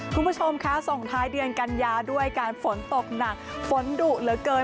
คุณผู้ชมคะส่งท้ายเดือนกันยาด้วยการฝนตกหนักฝนดุเหลือเกิน